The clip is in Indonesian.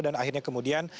dan akhirnya kemudian